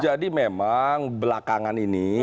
jadi memang belakangan ini